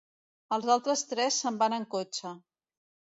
Els altres tres se'n van en cotxe.